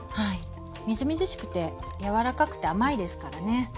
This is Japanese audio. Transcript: みずみずしくて柔らかくて甘いですからね。